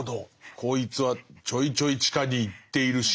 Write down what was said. こいつはちょいちょい地下に行っているし。